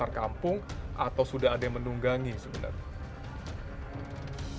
tawuran di luar kampung atau sudah ada yang mendunggangi sebenarnya